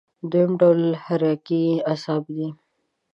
دویم ډول حرکي اعصاب دي.